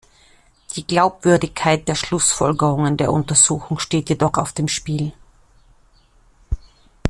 Die Glaubwürdigkeit der Schlussfolgerungen der Untersuchung steht jedoch auf dem Spiel.